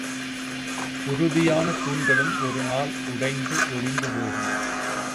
உறுதியான தூண்களும் ஒருநாள் உடைந்து ஒழிந்து போகும்.